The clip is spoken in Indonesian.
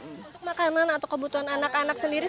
untuk makanan atau kebutuhan anak anak sendiri